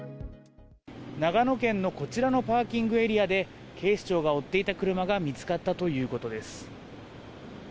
長野県のこちらのパーキングエリアで、警視庁が追っていた車が見つかったということです。